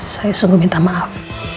saya sungguh minta maaf